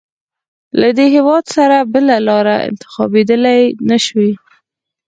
له دې هېواد سره بله لاره انتخابېدلای نه شوای.